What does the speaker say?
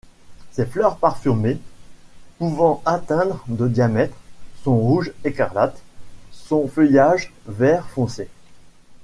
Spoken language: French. Ses fleurs parfumées, pouvant atteindre de diamètre, sont rouge écarlate, son feuillage vert foncé.